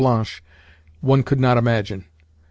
Blanche one could not imagine.